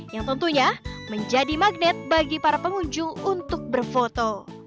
yang tentunya menjadi magnet bagi para pengunjung untuk berfoto